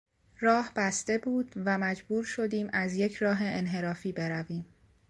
راه بسته بود و مجبور شدیم از یک راه انحرافی برویم.